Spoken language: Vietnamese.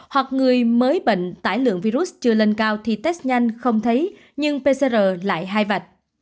hoặc người mới bệnh tải lượng virus chưa lên cao thì test nhanh không thấy nhưng pcr lại hai vạch